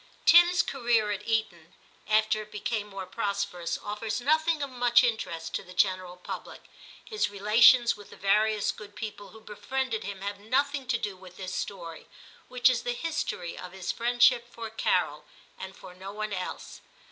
Tim's career at Eton, after it became more prosperous, offers nothing of much interest to the general public, his relations with the various good people who befriended him having nothing to do with this story, which is the history of his friendship for Carol, and for no one else.